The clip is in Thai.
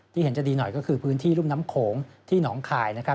เห็นจะดีหน่อยก็คือพื้นที่รุ่มน้ำโขงที่หนองคายนะครับ